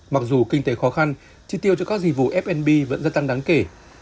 mặc dù kinh tế khó khăn chi tiêu cho các dịch vụ fnb vẫn gia tăng đáng kể